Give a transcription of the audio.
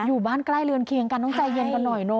อยู่บ้านใกล้เรือนเคียงกันต้องใจเย็นกันหน่อยเนอ